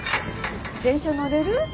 電車乗れる？